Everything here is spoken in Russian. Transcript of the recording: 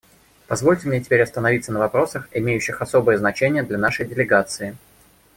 Позвольте мне теперь остановиться на вопросах, имеющих особое значение для нашей делегации.